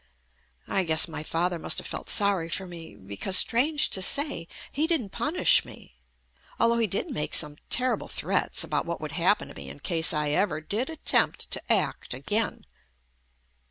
I guess my father must have felt sorry for me because, strange to say, he didn't punish me, although he did make some terrible threats ' about what would happen to me in case I ever did attempt to act again.